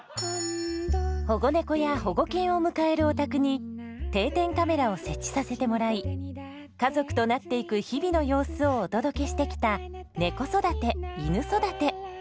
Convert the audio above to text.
保護猫や保護犬を迎えるお宅に定点カメラを設置させてもらい家族となっていく日々の様子をお届けしてきた「ねこ育ていぬ育て」。